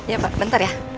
ya pak bentar ya